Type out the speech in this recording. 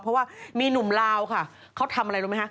เพราะว่ามีหนุ่มลาวค่ะเขาทำอะไรรู้ไหมคะ